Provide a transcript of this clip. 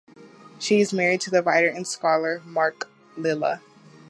She is married to the writer and scholar Mark Lilla.